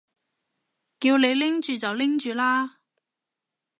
叫你拎住就拎住啦